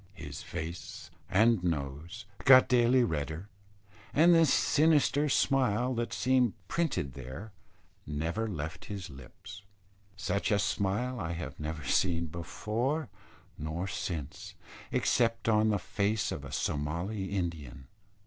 His face and nose got daily redder; and the sinister smile that seemed printed there never left his lips. Such a smile I have never seen before nor since, except on the face of a Somali Indian.